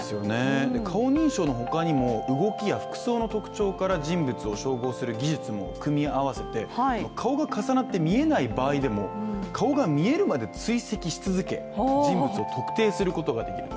顔認証の他にも動きや服装の特徴から人物を照合する技術も組み合わせて顔が重なって見えない場合でも顔が見えるまで追跡し続け、人物を特定することができる。